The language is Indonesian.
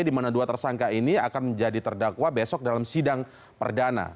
di mana dua tersangka ini akan menjadi terdakwa besok dalam sidang perdana